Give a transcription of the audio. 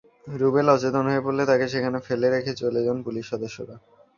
রুবেল অচেতন হয়ে পড়লে তাঁকে সেখানে ফেলে রেখে চলে যান পুলিশ সদস্যরা।